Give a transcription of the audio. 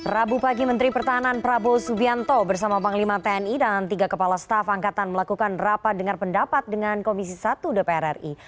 rabu pagi menteri pertahanan prabowo subianto bersama panglima tni dan tiga kepala staf angkatan melakukan rapat dengar pendapat dengan komisi satu dpr ri